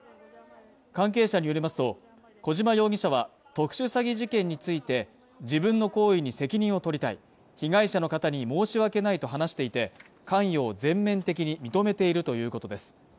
関係者によりますと、小島容疑者は特殊詐欺事件について、自分の行為に責任を取りたい被害者の方に申し訳ないと話していて、関与を全面的に認めているということです。